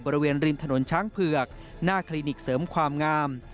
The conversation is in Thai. บริเวณริมถนนช้างเผือกหน้าคลินิกเสริมความงาม